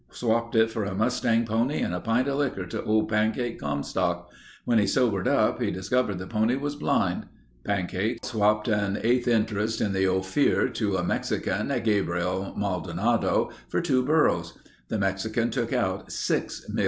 Swapped it for a mustang pony and a pint of likker to old Pancake Comstock. When he sobered up he discovered the pony was blind. Pancake swapped an eighth interest in the Ophir to a Mexican, Gabriel Maldonado, for two burros. The Mexican took out $6,000,000.